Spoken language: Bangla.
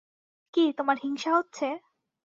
কি, তোমার হিংসা হচ্ছে?